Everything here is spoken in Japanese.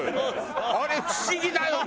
あれ不思議だよね